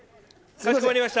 かしこまりました。